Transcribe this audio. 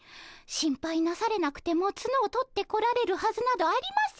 心配なされなくてもツノを取ってこられるはずなどありませんよ。